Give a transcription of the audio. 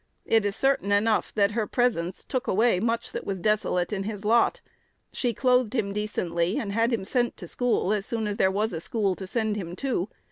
It is certain enough that her presence took away much that was desolate in his lot. She clothed him decently, and had him sent to school as soon as there was a school to send him to.